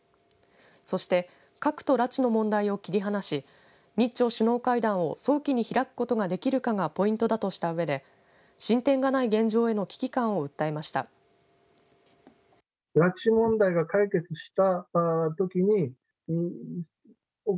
そして、核と拉致の問題を切り離し日朝首脳会談を早期に開くことができるかがポイントだとしたうえで進展がない現状への危機感を訴えました。